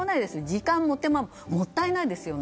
時間も手間も、もったいないです。